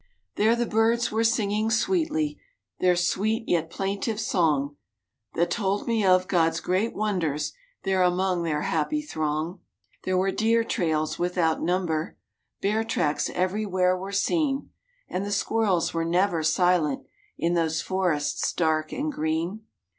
There the birds were singing sweetly Their sweet, yet plaintive song, That told me of God's great wonders There among their happy throng. There were deer trails, without number, Bear tracks everywhere were seen, And the squirrels were never silent In those forests dark and green.